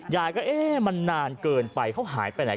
ยายก็เอ๊ะมันนานเกินไปเขาหายไปไหน